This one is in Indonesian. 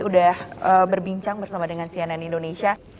sudah berbincang bersama dengan cnn indonesia